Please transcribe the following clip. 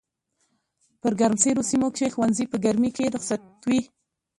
په ګرمسېرو سيمو کښي ښوونځي په ګرمۍ کي رخصت وي